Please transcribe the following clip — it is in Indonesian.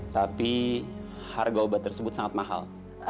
tapi harga obat tersebut sangat mahal